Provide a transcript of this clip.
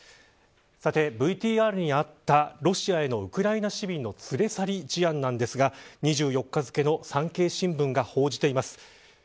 さてＶＴＲにあったロシアへのウクライナ市民の連れ去り事案なんですが２４日付の産経新聞が報じています。